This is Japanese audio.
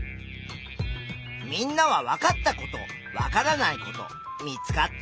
みんなはわかったことわからないこと見つかった？